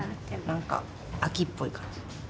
なんか秋っぽい感じ。